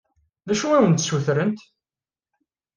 D acu i awen-d-ssutrent?